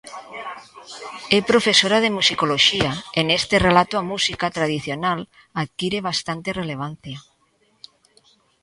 É profesora de Musicoloxía e neste relato a música tradicional adquire bastante relevancia.